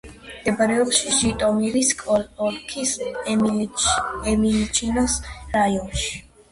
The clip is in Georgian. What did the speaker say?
მდებარეობს ჟიტომირის ოლქის ემილჩინოს რაიონში.